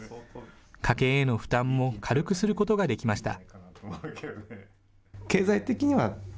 家計への負担も軽くすることができました。